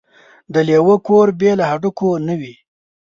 ـ د لېوه کور بې له هډوکو نه وي.